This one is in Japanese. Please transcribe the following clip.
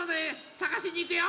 さがしにいくよ。